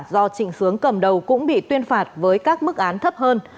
do trịnh sướng cầm đầu cũng bị tuyên phạt với các mức án thấp hơn